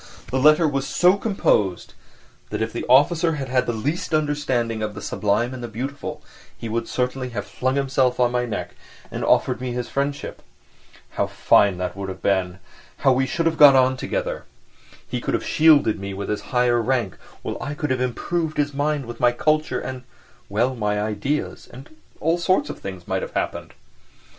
The letter was so composed that if the officer had had the least understanding of the sublime and the beautiful he would certainly have flung himself on my neck and have offered me his friendship. And how fine that would have been! How we should have got on together! "He could have shielded me with his higher rank, while I could have improved his mind with my culture, and, well ... my ideas, and all sorts of things might have happened."